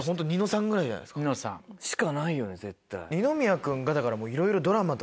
しかないよね絶対。